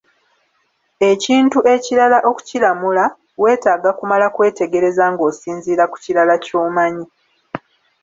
Ekintu ekirala okukiramula, weetaga kumala kwetegereza ng'osinziira ku kirala ky'omanyi.